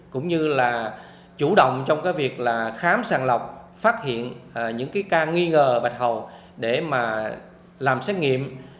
cũng như là chủ động trong việc khám sàng lọc phát hiện những ca nghi ngờ bạch hầu để làm xét nghiệm